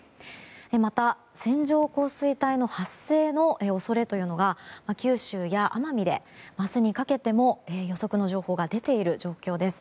また、線状降水帯の発生の恐れが九州や奄美で、明日にかけても予測の情報が出ている状況です。